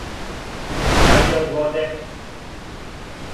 Даље од воде!